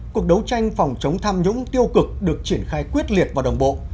cuộc đấu tranh phòng chống tham nhũng tiêu cực được triển khai quyết liệt và đồng bộ